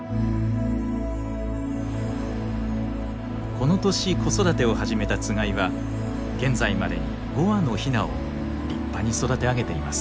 この年子育てを始めたつがいは現在までに５羽のヒナを立派に育て上げています。